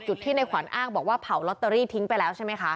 จุดที่ในขวัญอ้างบอกว่าเผาลอตเตอรี่ทิ้งไปแล้วใช่ไหมคะ